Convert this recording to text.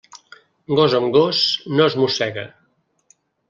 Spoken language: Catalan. Gos amb gos, no es mossega.